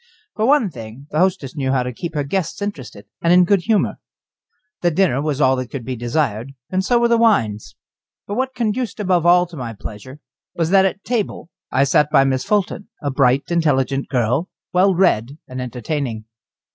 For one thing, the hostess knew how to keep her guests interested and in good humour. The dinner was all that could be desired, and so were the wines. But what conduced above all to my pleasure was that at table I sat by Miss Fulton, a bright, intelligent girl, well read and entertaining.